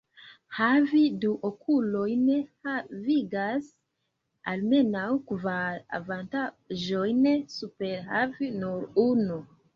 Havi du okulojn havigas almenaŭ kvar avantaĝojn super havi nur unu.